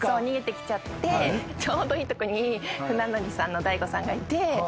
逃げてきちゃってちょうどいいとこに船乗りさんの大悟さんがいて。